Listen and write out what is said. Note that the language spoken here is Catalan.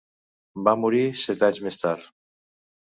Va morir set anys més tard.